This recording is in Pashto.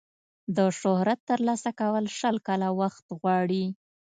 د شهرت ترلاسه کول شل کاله وخت غواړي.